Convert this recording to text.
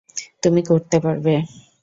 তুমি করতে পারবে।